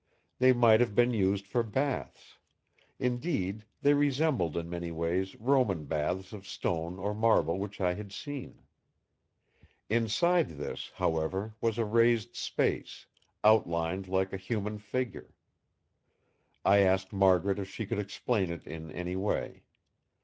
They might have been used for baths; indeed, they resembled in many ways Roman baths of stone or marble which I had seen. Inside this, however, was a raised space, outlined like a human figure. I asked Margaret if she could explain it in any way.